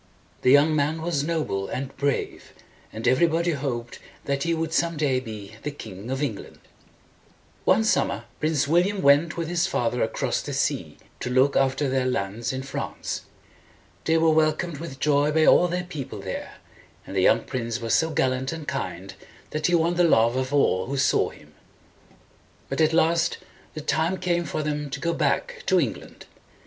The young man was noble and brave, and every body hoped that he would some day be the King of England. One summer Prince William went with his father across the sea to look after their lands in France. They were wel comed with joy by all their people there, and the young prince was so gallant and kind, that he won the love of all who saw him. But at last the time came for them to go back to England.